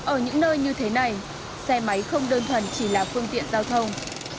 ở những nơi như thế này xe máy không đơn thuần chỉ là phương tiện giao thông